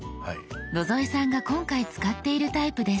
野添さんが今回使っているタイプです。